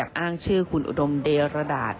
แล้วก็แอบอ้างชื่อคุณอุดมเดราดาต